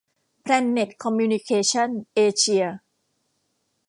แพลนเน็ต คอมมิวนิเคชั่น เอเชีย